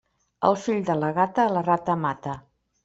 El fill de la gata, la rata mata.